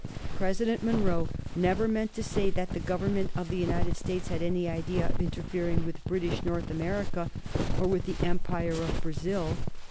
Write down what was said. President Monroe never meant to say that the Government of the United States had any idea of interfering with British North America or with the Empire of Brazil.